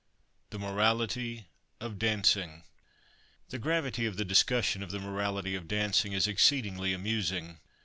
THE MORALITY OF DANCING. The gravity of the discussion of the morality of dancing is exceedingly amusing.